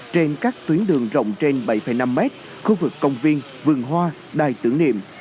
trên các tuyến đường rộng trên bảy năm mét khu vực công viên vườn hoa đài tưởng niệm